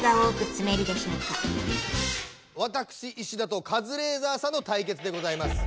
わたくし石田とカズレーザーさんのたいけつでございます。